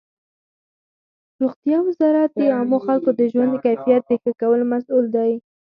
روغتیا وزارت د عامو خلکو د ژوند د کیفیت د ښه کولو مسؤل دی.